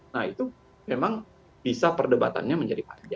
nah itu memang bisa perdebatannya menjadi panjang